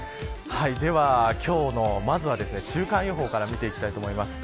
では今日のまず週間予報から見ていきます。